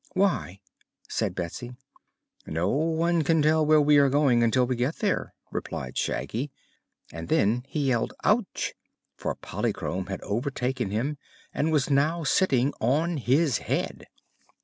"Why?" said Betsy. "No one can tell where we are going until we get there," replied Shaggy, and then he yelled "Ouch!" for Polychrome had overtaken him and was now sitting on his head.